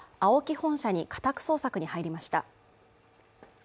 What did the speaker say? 本社に家宅捜索に入りました